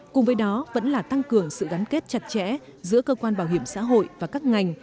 cùng với đó vẫn là tăng cường sự gắn kết chặt chẽ giữa cơ quan bảo hiểm xã hội và các ngành